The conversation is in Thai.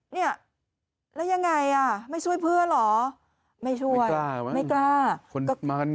เนี่ยแล้วยังไงไม่ช่วยเพื่อนเหรอไม่ช่วยไม่กล้า